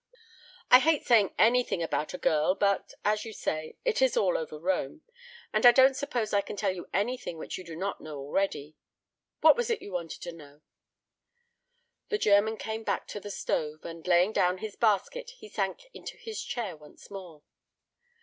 I hate saying anything about a girl, but, as you say, it is all over Rome, and I don't suppose I can tell you anything which you do not know already. What was it you wanted to know?" The German came back to the stove, and, laying down his basket, he sank into his chair once more.